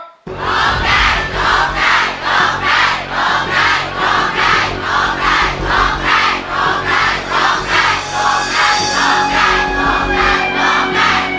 ร้องได้ร้องได้ร้องได้